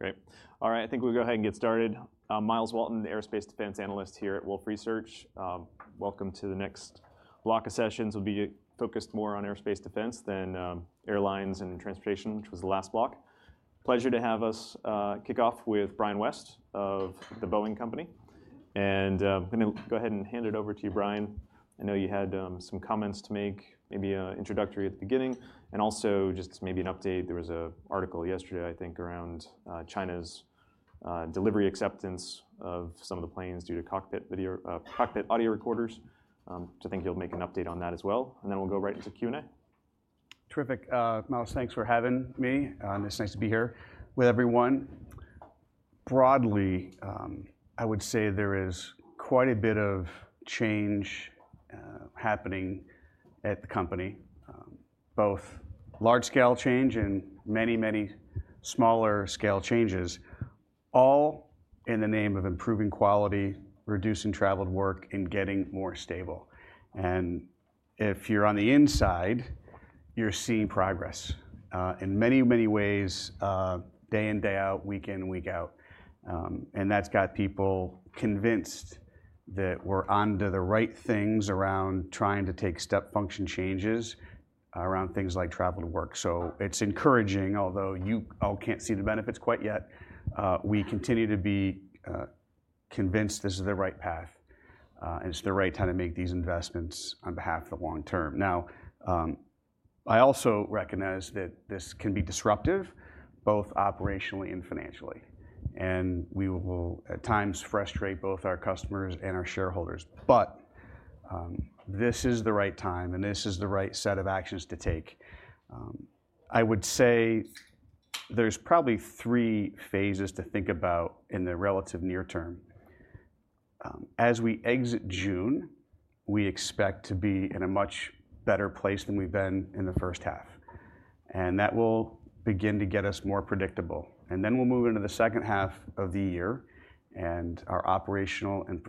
Great. All right, I think we'll go ahead and get started. I'm Myles Walton, the aerospace defense analyst here at Wolfe Research. Welcome to the next block of sessions, will be focused more on aerospace defense than airlines and transportation, which was the last block. Pleasure to have us kick off with Brian West of The Boeing Company. I'm gonna go ahead and hand it over to you, Brian. I know you had some comments to make, maybe introductory at the beginning, and also just maybe an update. There was an article yesterday, I think, around China's delivery acceptance of some of the planes due to cockpit video cockpit audio recorders. I think you'll make an update on that as well, and then we'll go right into Q&A. Terrific, Myles, thanks for having me. It's nice to be here with everyone. Broadly, I would say there is quite a bit of change happening at the company, both large-scale change and many, many smaller scale changes, all in the name of improving quality, reducing traveled work, and getting more stable. And if you're on the inside, you're seeing progress in many, many ways, day in, day out, week in, week out. And that's got people convinced that we're onto the right things around trying to take step function changes, around things like travel work. So it's encouraging, although you all can't see the benefits quite yet, we continue to be convinced this is the right path, and it's the right time to make these investments on behalf of the long term. Now, I also recognize that this can be disruptive, both operationally and financially, and we will, at times, frustrate both our customers and our shareholders. But, this is the right time, and this is the right set of actions to take. I would say there's probably three phases to think about in the relative near term. As we exit June, we expect to be in a much better place than we've been in the first half, and that will begin to get us more predictable. And then we'll move into the second half of the year, and our operational and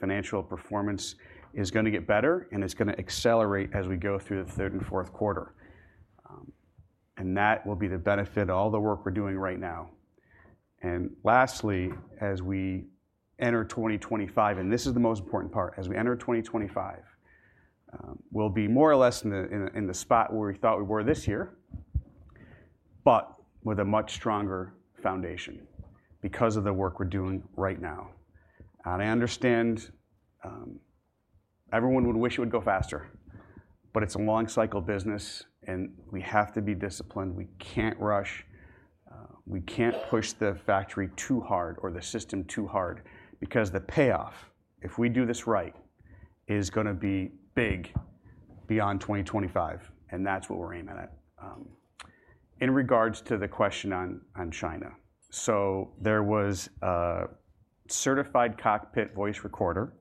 financial performance is gonna get better, and it's gonna accelerate as we go through the third and fourth quarter. And that will be the benefit of all the work we're doing right now. And lastly, as we enter 2025, and this is the most important part, as we enter 2025, we'll be more or less in the spot where we thought we were this year, but with a much stronger foundation because of the work we're doing right now. And I understand everyone would wish it would go faster, but it's a long cycle business, and we have to be disciplined. We can't rush, we can't push the factory too hard or the system too hard because the payoff, if we do this right, is gonna be big beyond 2025, and that's what we're aiming at. In regards to the question on China, so there was a certified cockpit voice recorder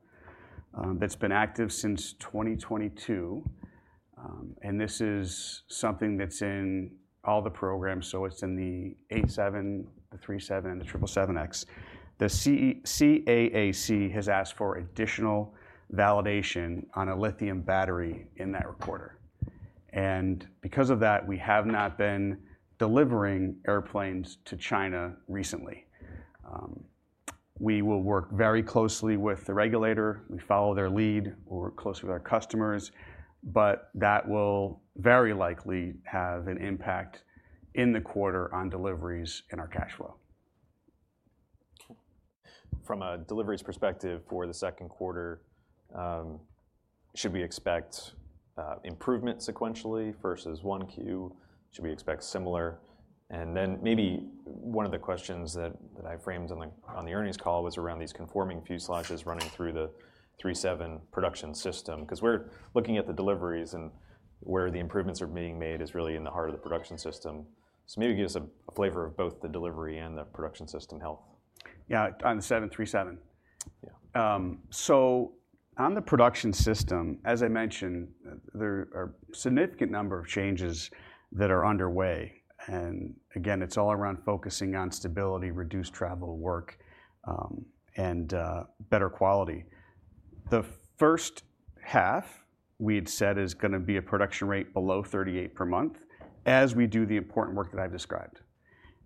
that's been active since 2022, and this is something that's in all the programs, so it's in the 787, the 777, the 777X. The CAAC has asked for additional validation on a lithium battery in that recorder, and because of that, we have not been delivering airplanes to China recently. We will work very closely with the regulator. We follow their lead. We work closely with our customers, but that will very likely have an impact in the quarter on deliveries and our cash flow. From a deliveries perspective for the second quarter, should we expect improvement sequentially versus 1Q? Should we expect similar... And then maybe one of the questions that I framed on the earnings call was around these conforming fuselages running through the 777 production system, 'cause we're looking at the deliveries, and where the improvements are being made is really in the heart of the production system. So maybe give us a flavor of both the delivery and the production system health. Yeah, on the 737. Yeah. So on the production system, as I mentioned, there are significant number of changes that are underway, and again, it's all around focusing on stability, reduced traveled work, and better quality. The first half, we'd said is gonna be a production rate below 38 per month as we do the important work that I've described.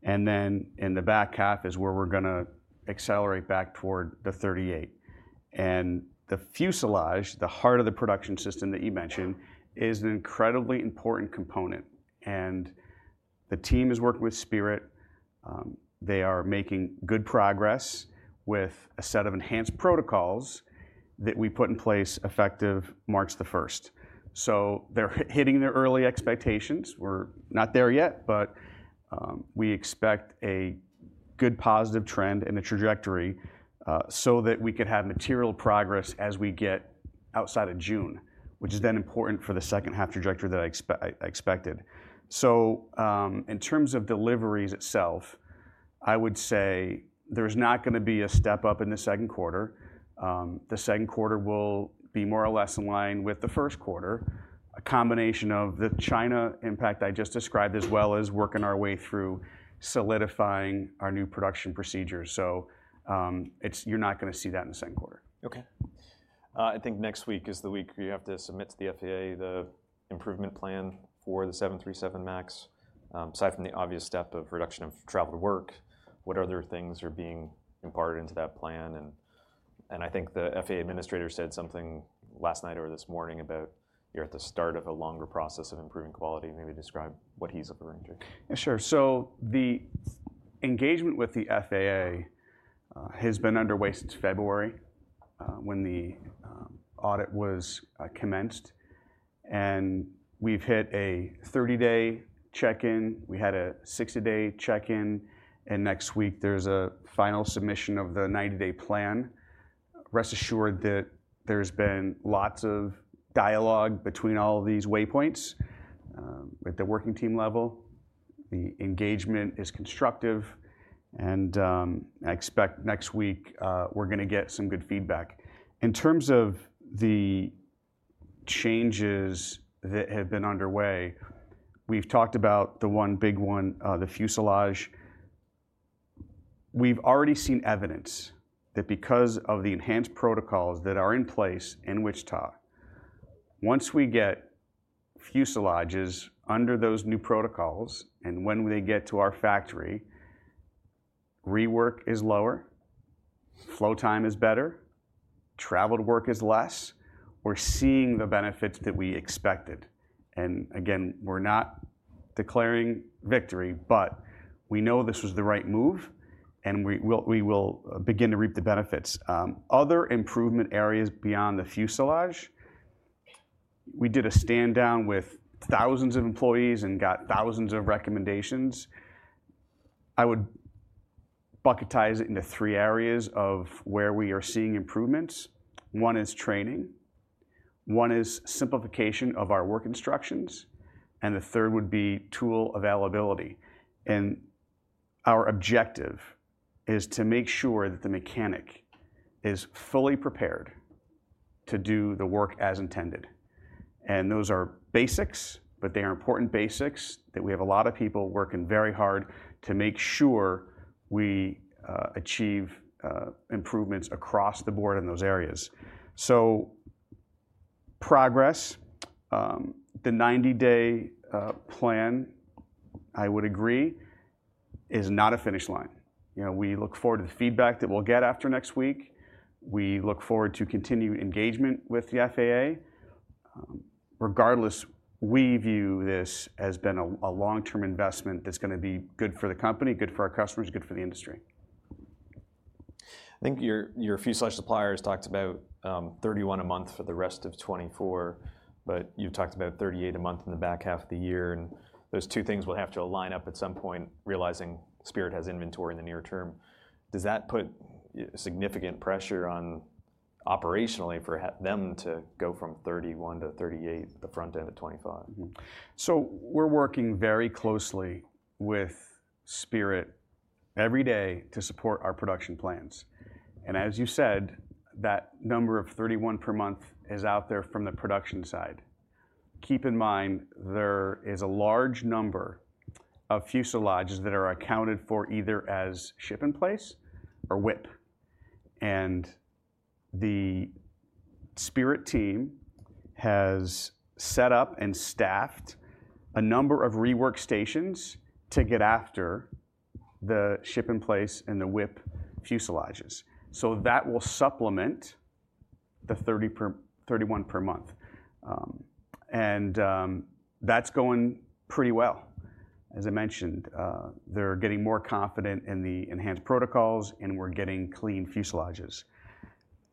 And then in the back half is where we're gonna accelerate back toward the 38. And the fuselage, the heart of the production system that you mentioned, is an incredibly important component, and the team has worked with Spirit, they are making good progress with a set of enhanced protocols that we put in place effective March the first. So they're hitting their early expectations. We're not there yet, but we expect a good positive trend in the trajectory, so that we could have material progress as we get outside of June, which is then important for the second half trajectory that I expected. So, in terms of deliveries itself, I would say there's not gonna be a step up in the second quarter. The second quarter will be more or less in line with the first quarter, a combination of the China impact I just described, as well as working our way through solidifying our new production procedures. So, it's, you're not gonna see that in the second quarter. Okay. I think next week is the week you have to submit to the FAA the improvement plan for the 737 MAX. Aside from the obvious step of reduction of traveled work, what other things are being imparted into that plan? And I think the FAA Administrator said something last night or this morning about you're at the start of a longer process of improving quality. Maybe describe what he's arranging. Yeah, sure. So the engagement with the FAA has been underway since February, when the audit was commenced. We've hit a 30-day check-in, we had a 60-day check-in, and next week there's a final submission of the 90-day plan. Rest assured that there's been lots of dialogue between all of these waypoints, with the working team level. The engagement is constructive, and I expect next week, we're gonna get some good feedback. In terms of the changes that have been underway, we've talked about the one big one, the fuselage. We've already seen evidence that because of the enhanced protocols that are in place in Wichita, once we get fuselages under those new protocols, and when they get to our factory, rework is lower, flow time is better, traveled work is less. We're seeing the benefits that we expected, and again, we're not declaring victory, but we know this was the right move, and we will begin to reap the benefits. Other improvement areas beyond the fuselage, we did a stand down with thousands of employees and got thousands of recommendations. I would bucketize it into three areas of where we are seeing improvements. One is training, one is simplification of our work instructions, and the third would be tool availability. And our objective is to make sure that the mechanic is fully prepared to do the work as intended, and those are basics, but they are important basics that we have a lot of people working very hard to make sure we achieve improvements across the board in those areas. So progress, the 90-day plan, I would agree, is not a finish line. You know, we look forward to the feedback that we'll get after next week. We look forward to continued engagement with the FAA. Yeah. Regardless, we view this as being a long-term investment that's gonna be good for the company, good for our customers, good for the industry. I think your, your fuselage suppliers talked about 31 a month for the rest of 2024, but you've talked about 38 a month in the back half of the year, and those two things will have to align up at some point, realizing Spirit has inventory in the near term. Does that put significant pressure on operationally for them to go from 31 to 38, the front end of 2025? Mm-hmm. So we're working very closely with Spirit every day to support our production plans, and as you said, that number of 31 per month is out there from the production side. Keep in mind, there is a large number of fuselages that are accounted for either as ship in place or WIP. And the Spirit team has set up and staffed a number of rework stations to get after the ship in place and the WIP fuselages. So that will supplement the 31 per month. That's going pretty well. As I mentioned, they're getting more confident in the enhanced protocols, and we're getting clean fuselages.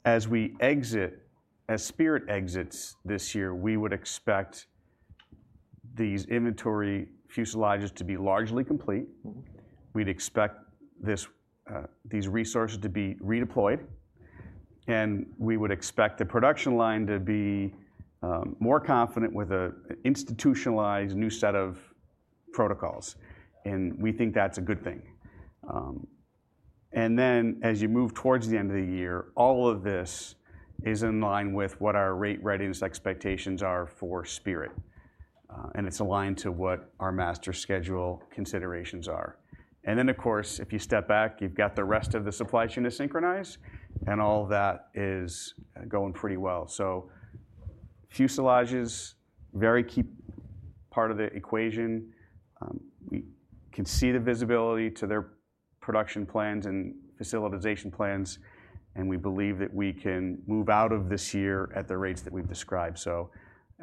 As we exit, as Spirit exits this year, we would expect these inventory fuselages to be largely complete. Mm-hmm. We'd expect this, these resources to be redeployed, and we would expect the production line to be, more confident with an institutionalized new set of protocols, and we think that's a good thing. And then, as you move towards the end of the year, all of this is in line with what our rate readiness expectations are for Spirit, and it's aligned to what our master schedule considerations are. And then, of course, if you step back, you've got the rest of the supply chain to synchronize, and all that is, going pretty well. So fuselages, very key part of the equation. We can see the visibility to their production plans and facilitation plans, and we believe that we can move out of this year at the rates that we've described. So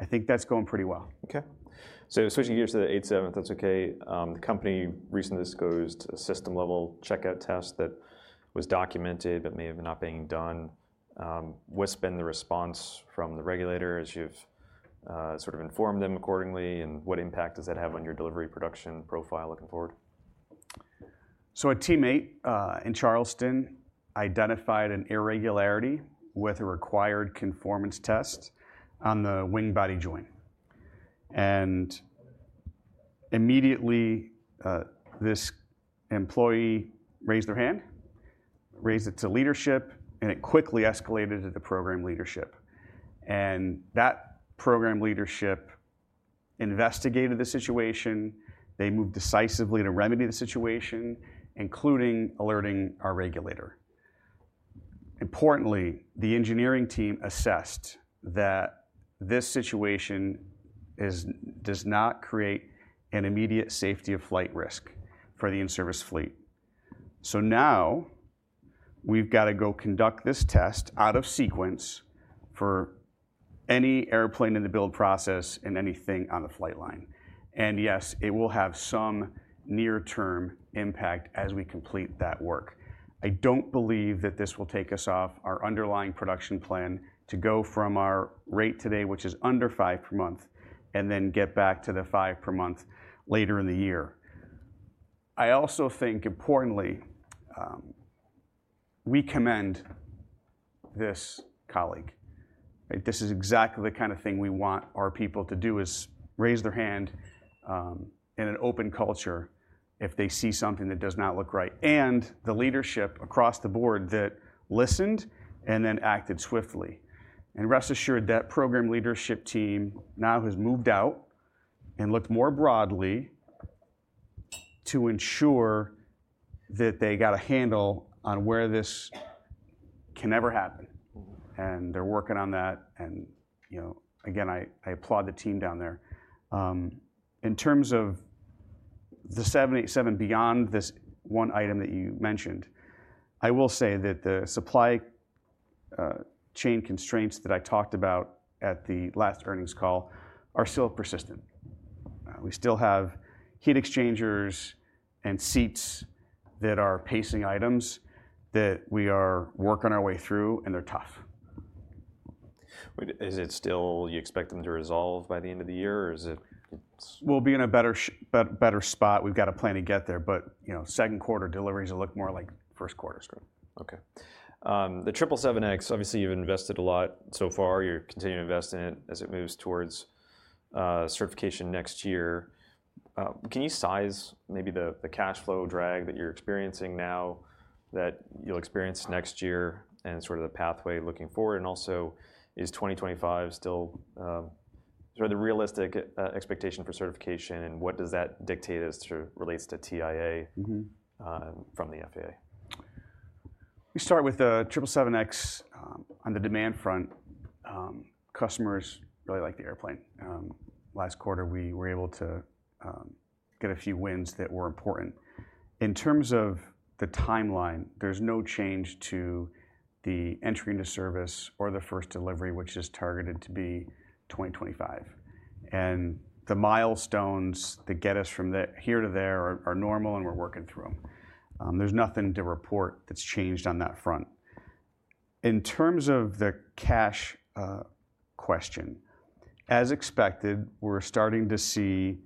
I think that's going pretty well. Okay. So switching gears to the 787, if that's okay. The company recently disclosed a system-level checkout test that was documented but may have not been done. What's been the response from the regulator, as you've sort of informed them accordingly, and what impact does that have on your delivery production profile looking forward? So a teammate in Charleston identified an irregularity with a required conformance test on the wing body joint. Immediately, this employee raised their hand, raised it to leadership, and it quickly escalated to the program leadership. That program leadership investigated the situation. They moved decisively to remedy the situation, including alerting our regulator. Importantly, the engineering team assessed that this situation does not create an immediate safety of flight risk for the in-service fleet. So now, we've gotta go conduct this test out of sequence for any airplane in the build process and anything on the flight line. Yes, it will have some near-term impact as we complete that work. I don't believe that this will take us off our underlying production plan to go from our rate today, which is under five per month, and then get back to the five per month later in the year. I also think importantly, we commend this colleague. Right? This is exactly the kind of thing we want our people to do, is raise their hand, in an open culture if they see something that does not look right, and the leadership across the board that listened and then acted swiftly. Rest assured, that program leadership team now has moved out and looked more broadly to ensure that they got a handle on where this can never happen. Mm-hmm. They're working on that, and, you know, again, I applaud the team down there. In terms of the 787 beyond this one item that you mentioned, I will say that the supply chain constraints that I talked about at the last earnings call are still persistent. We still have heat exchangers and seats that are pacing items that we are working our way through, and they're tough. But is it still... You expect them to resolve by the end of the year, or is it? We'll be in a better spot. We've got a plan to get there, but, you know, second quarter deliveries will look more like first quarter's growth. Okay. The 777X, obviously, you've invested a lot so far. You're continuing to invest in it as it moves towards certification next year. Can you size maybe the cash flow drag that you're experiencing now, that you'll experience next year, and sort of the pathway looking forward? Also, is 2025 still sort of the realistic expectation for certification, and what does that dictate as it relates to TIA- Mm-hmm... from the FAA? We start with the 777X. On the demand front, customers really like the airplane. Last quarter, we were able to get a few wins that were important. In terms of the timeline, there's no change to the entry into service or the first delivery, which is targeted to be 2025. And the milestones that get us from the here to there are normal, and we're working through them. There's nothing to report that's changed on that front. In terms of the cash question, as expected, we're starting to see,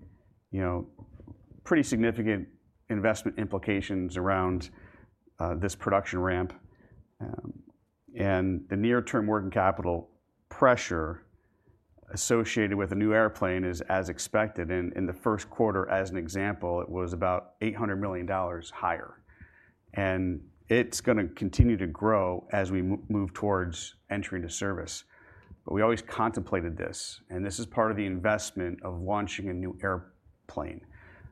you know, pretty significant investment implications around this production ramp. And the near-term working capital pressure associated with a new airplane is as expected. In the first quarter, as an example, it was about $800 million higher, and it's gonna continue to grow as we move towards entry into service. But we always contemplated this, and this is part of the investment of launching a new airplane.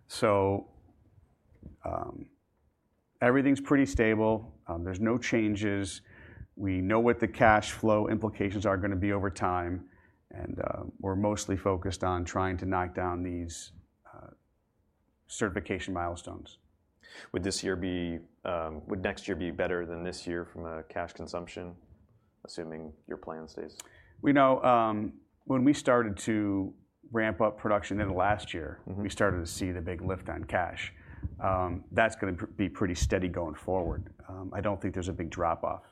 So, everything's pretty stable. There's no changes. We know what the cash flow implications are gonna be over time, and, we're mostly focused on trying to knock down these certification milestones. Would this year be... would next year be better than this year from a cash consumption, assuming your plan stays? We know, when we started to ramp up production in the last year- Mm-hmm... we started to see the big lift on cash. That's gonna be pretty steady going forward. I don't think there's a big drop-off.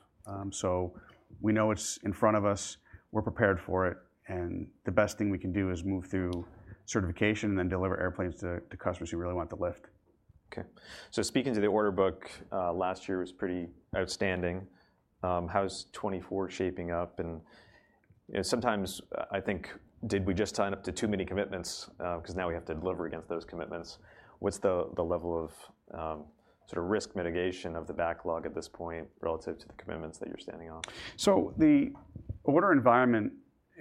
So we know it's in front of us, we're prepared for it, and the best thing we can do is move through certification, then deliver airplanes to customers who really want the lift. Okay. So speaking to the order book, last year was pretty outstanding. How's 2024 shaping up? And, you know, sometimes, I think, did we just sign up to too many commitments, 'cause now we have to deliver against those commitments? What's the, the level of, sort of risk mitigation of the backlog at this point relative to the commitments that you're standing on? So the order environment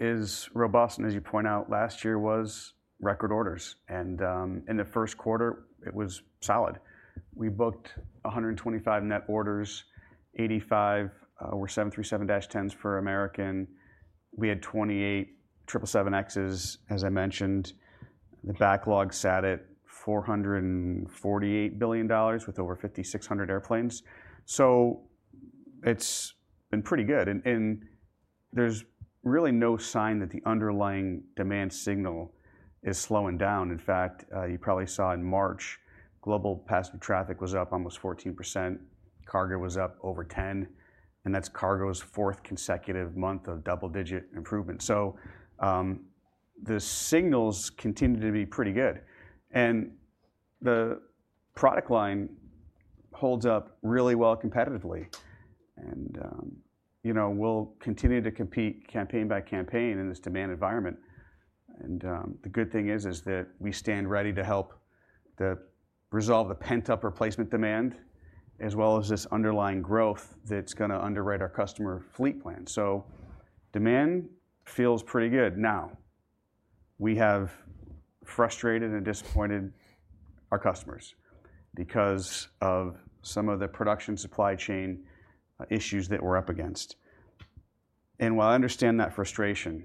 is robust, and as you point out, last year was record orders, and in the first quarter, it was solid. We booked 125 net orders, 85 were 737-10s for American. We had 28 777Xs, as I mentioned. The backlog sat at $448 billion with over 5,600 airplanes. So it's been pretty good, and there's really no sign that the underlying demand signal is slowing down. In fact, you probably saw in March, global passenger traffic was up almost 14%, cargo was up over 10%, and that's cargo's fourth consecutive month of double-digit improvement. So the signals continue to be pretty good, and the product line holds up really well competitively. And you know, we'll continue to compete campaign by campaign in this demand environment. And the good thing is that we stand ready to help-... To resolve the pent-up replacement demand, as well as this underlying growth that's gonna underwrite our customer fleet plan. So demand feels pretty good. Now, we have frustrated and disappointed our customers because of some of the production supply chain issues that we're up against. And while I understand that frustration,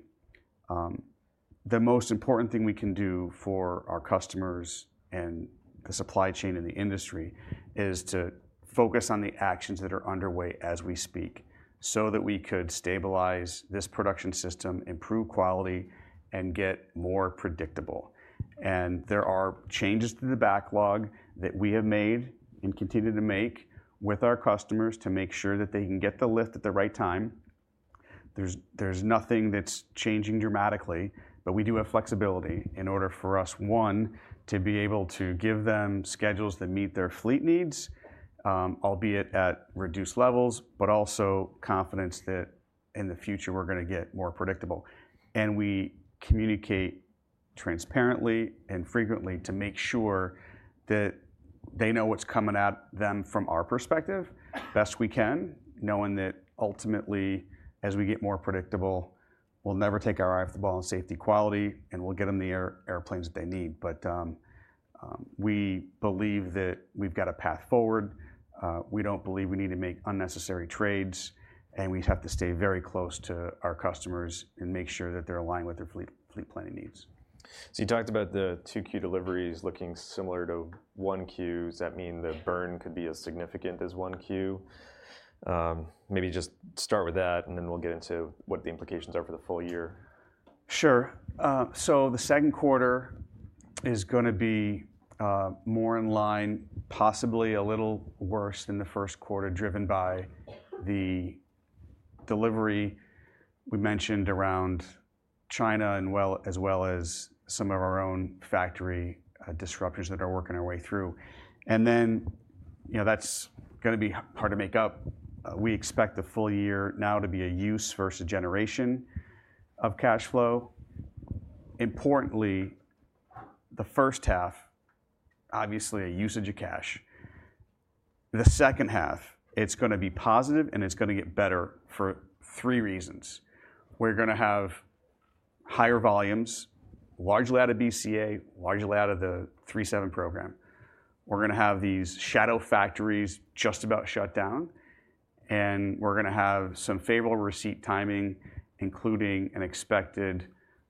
the most important thing we can do for our customers and the supply chain in the industry is to focus on the actions that are underway as we speak, so that we could stabilize this production system, improve quality, and get more predictable. And there are changes to the backlog that we have made, and continue to make, with our customers to make sure that they can get the lift at the right time. There's nothing that's changing dramatically, but we do have flexibility in order for us, one, to be able to give them schedules that meet their fleet needs, albeit at reduced levels, but also confidence that in the future we're gonna get more predictable. And we communicate transparently and frequently to make sure that they know what's coming at them from our perspective, best we can, knowing that ultimately, as we get more predictable, we'll never take our eye off the ball on safety quality, and we'll get them the airplanes that they need. But we believe that we've got a path forward. We don't believe we need to make unnecessary trades, and we have to stay very close to our customers and make sure that they're aligned with their fleet planning needs. So you talked about the 2Q deliveries looking similar to 1Q. Does that mean the burn could be as significant as 1Q? Maybe just start with that, and then we'll get into what the implications are for the full year. Sure. So the second quarter is gonna be more in line, possibly a little worse than the first quarter, driven by the delivery we mentioned around China, as well as some of our own factory disruptors that are working our way through. And then, you know, that's gonna be hard to make up. We expect the full year now to be a use versus generation of cash flow. Importantly, the first half, obviously a usage of cash. The second half, it's gonna be positive, and it's gonna get better for three reasons: we're gonna have higher volumes, largely out of BCA, largely out of the 737 program. We're gonna have these shadow factories just about shut down, and we're gonna have some favorable receipt timing, including an expected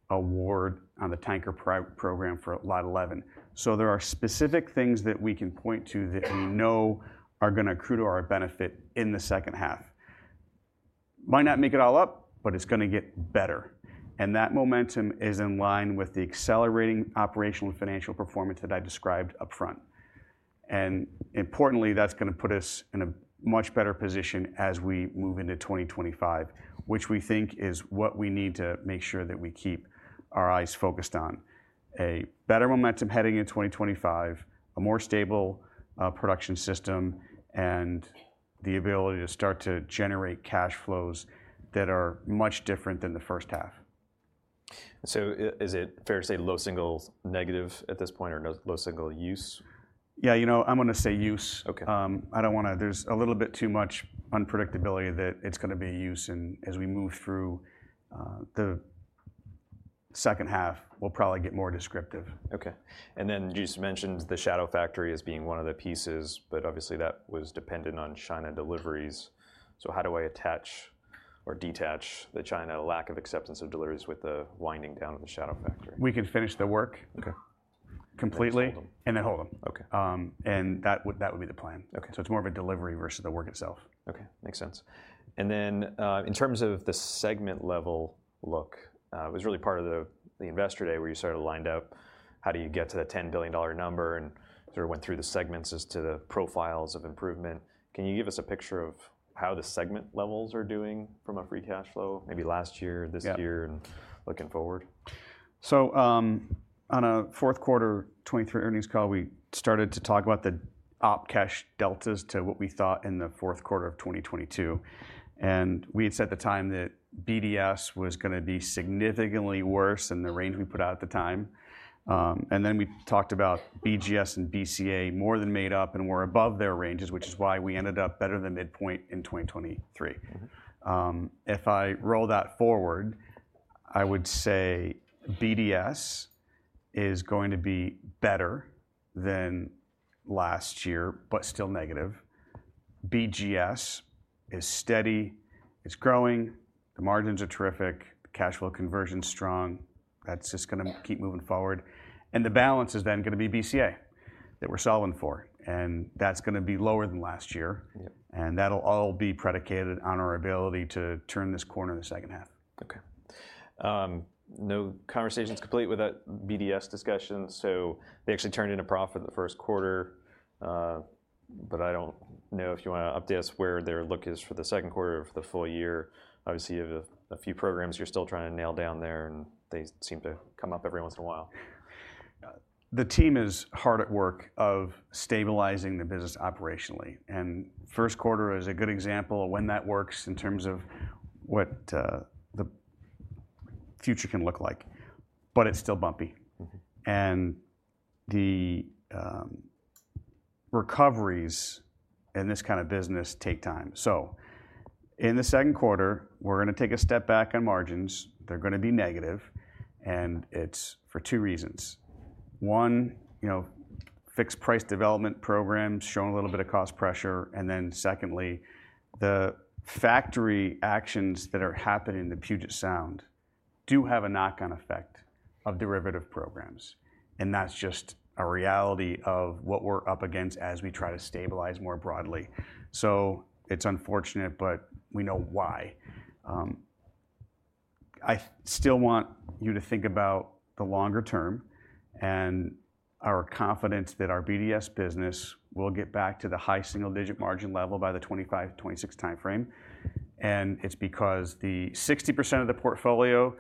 award on the tanker program for Lot 11. So there are specific things that we can point to that we know are gonna accrue to our benefit in the second half. Might not make it all up, but it's gonna get better, and that momentum is in line with the accelerating operational and financial performance that I described upfront. And importantly, that's gonna put us in a much better position as we move into 2025, which we think is what we need to make sure that we keep our eyes focused on, a better momentum heading into 2025, a more stable, production system, and the ability to start to generate cash flows that are much different than the first half. So, is it fair to say low single digits negative at this point or low single digits? Yeah, you know, I'm gonna say use. Okay. There's a little bit too much unpredictability that it's gonna be useful, and as we move through the second half, we'll probably get more descriptive. Okay. And then you just mentioned the shadow factory as being one of the pieces, but obviously, that was dependent on China deliveries. So how do I attach or detach the China lack of acceptance of deliveries with the winding down of the shadow factory? We can finish the work- Okay... completely- And then hold them. And then hold them. Okay. That would be the plan. Okay. It's more of a delivery versus the work itself. Okay, makes sense. Then, in terms of the segment-level look, it was really part of the Investor Day, where you sort of lined up how do you get to that $10 billion number, and sort of went through the segments as to the profiles of improvement. Can you give us a picture of how the segment levels are doing from a free cash flow, maybe last year- Yeah... this year, and looking forward? So, on a fourth quarter, 2023 earnings call, we started to talk about the op cash deltas to what we thought in the fourth quarter of 2022. And we had said at the time that BDS was gonna be significantly worse than the range we put out at the time. And then we talked about BGS and BCA more than made up and were above their ranges, which is why we ended up better than midpoint in 2023. Mm-hmm. If I roll that forward, I would say BDS is going to be better than last year, but still negative. BGS is steady, it's growing, the margins are terrific, the cash flow conversion's strong. That's just gonna keep moving forward. The balance is then gonna be BCA, that we're solving for, and that's gonna be lower than last year. Yep. That'll all be predicated on our ability to turn this corner in the second half. Okay. No conversation's complete without BDS discussions, so they actually turned in a profit for the first quarter. But I don't know if you wanna update us where their look is for the second quarter or for the full year. Obviously, you have a few programs you're still trying to nail down there, and they seem to come up every once in a while. The team is hard at work of stabilizing the business operationally, and first quarter is a good example of when that works in terms of what the future can look like, but it's still bumpy. Mm-hmm. The recoveries in this kind of business take time. So in the second quarter, we're gonna take a step back on margins. They're gonna be negative, and it's for two reasons. One, you know, fixed-price development programs showing a little bit of cost pressure, and then secondly, the factory actions that are happening in the Puget Sound do have a knock-on effect of derivative programs, and that's just a reality of what we're up against as we try to stabilize more broadly. So it's unfortunate, but we know why. I still want you to think about the longer term and our confidence that our BDS business will get back to the high single-digit margin level by the 2025, 2026 timeframe. And it's because the 60% of the portfolio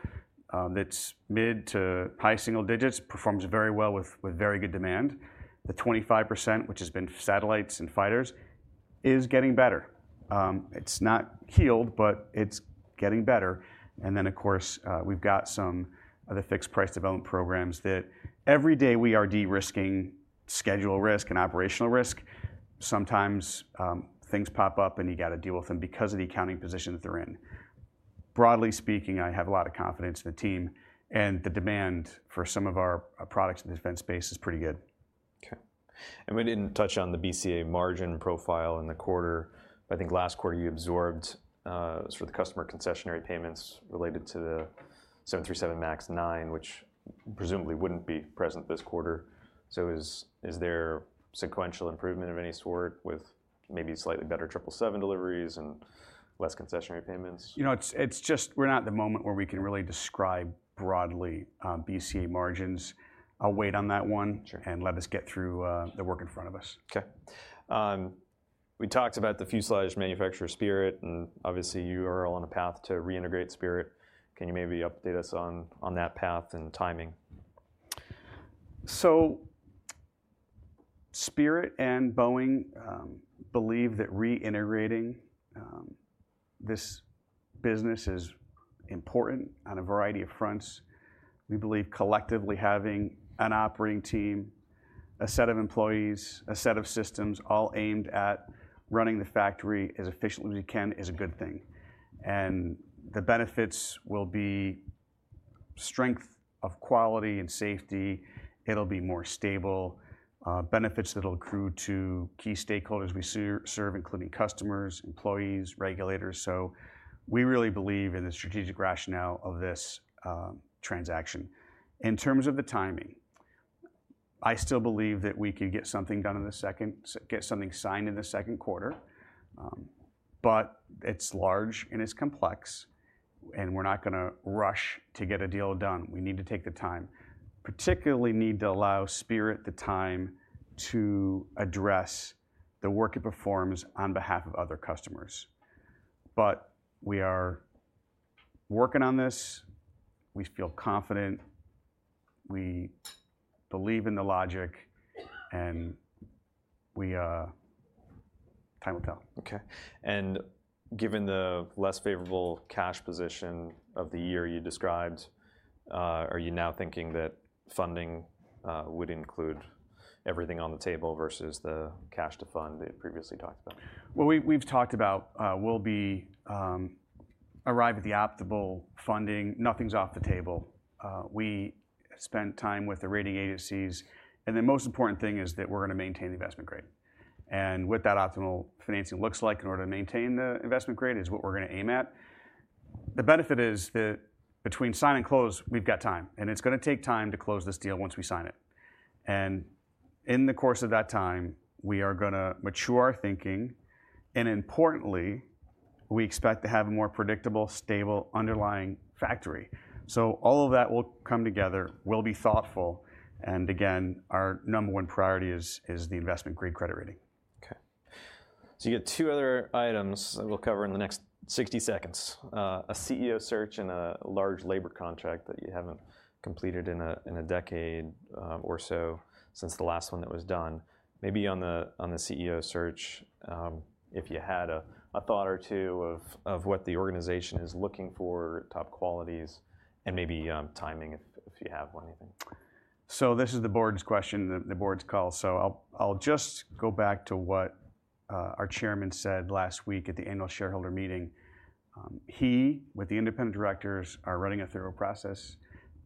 that's mid to high single digits performs very well with very good demand. The 25%, which has been satellites and fighters, is getting better. It's not healed, but it's getting better, and then, of course, we've got some of the fixed-price development programs that every day we are de-risking schedule risk and operational risk. Sometimes, things pop up, and you've got to deal with them because of the accounting position that they're in. Broadly speaking, I have a lot of confidence in the team, and the demand for some of our, our products in the defense space is pretty good. Okay, and we didn't touch on the BCA margin profile in the quarter. I think last quarter, you absorbed sort of the customer concessionary payments related to the 737 MAX 9, which presumably wouldn't be present this quarter. So is there sequential improvement of any sort with maybe slightly better 777 deliveries and less concessionary payments? You know, it's, it's just we're not at the moment where we can really describe broadly, BCA margins. I'll wait on that one- Sure. Let us get through the work in front of us. Okay. We talked about the fuselage manufacturer, Spirit, and obviously, you are all on a path to reintegrate Spirit. Can you maybe update us on that path and timing? So Spirit and Boeing believe that reintegrating this business is important on a variety of fronts. We believe collectively having an operating team, a set of employees, a set of systems, all aimed at running the factory as efficiently as we can, is a good thing, and the benefits will be strength of quality and safety. It'll be more stable, benefits that'll accrue to key stakeholders we serve, including customers, employees, regulators, so we really believe in the strategic rationale of this transaction. In terms of the timing, I still believe that we could get something signed in the second quarter, but it's large, and it's complex, and we're not gonna rush to get a deal done. We need to take the time, particularly need to allow Spirit the time to address the work it performs on behalf of other customers. But we are working on this. We feel confident, we believe in the logic, and we... Time will tell. Okay, and given the less favorable cash position of the year you described, are you now thinking that funding would include everything on the table versus the cash to fund that you previously talked about? Well, we've talked about. We'll arrive at the optimal funding. Nothing's off the table. We spent time with the rating agencies, and the most important thing is that we're gonna maintain the investment grade. And what that optimal financing looks like in order to maintain the investment grade is what we're gonna aim at. The benefit is that between sign and close, we've got time, and it's gonna take time to close this deal once we sign it. And in the course of that time, we are gonna mature our thinking, and importantly, we expect to have a more predictable, stable, underlying factory. So all of that will come together. We'll be thoughtful, and again, our number one priority is the investment-grade credit rating. Okay. So you got two other items that we'll cover in the next 60 seconds. A CEO search and a large labor contract that you haven't completed in a decade or so since the last one that was done. Maybe on the CEO search, if you had a thought or two of what the organization is looking for, top qualities and maybe timing if you have one, anything. So this is the board's question, the board's call, so I'll just go back to what our chairman said last week at the annual shareholder meeting. He, with the independent directors, are running a thorough process.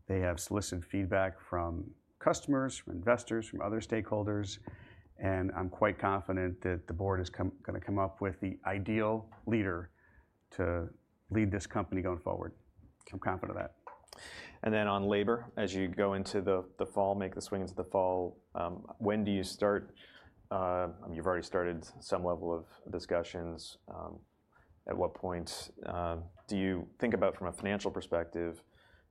They have solicited feedback from customers, from investors, from other stakeholders, and I'm quite confident that the board is gonna come up with the ideal leader to lead this company going forward. So I'm confident of that. On labor, as you go into the fall, when do you start? You've already started some level of discussions. At what point do you think about, from a financial perspective,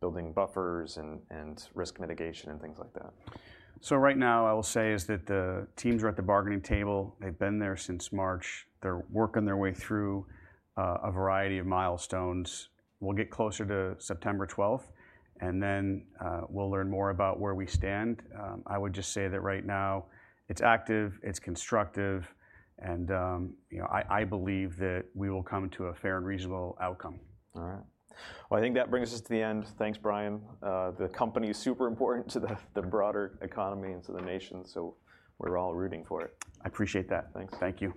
building buffers and risk mitigation and things like that? So right now, I will say is that the teams are at the bargaining table. They've been there since March. They're working their way through a variety of milestones. We'll get closer to September 12th, and then we'll learn more about where we stand. I would just say that right now it's active, it's constructive, and you know, I believe that we will come to a fair and reasonable outcome. All right. Well, I think that brings us to the end. Thanks, Brian. The company is super important to the broader economy and to the nation, so we're all rooting for it. I appreciate that. Thanks. Thank you.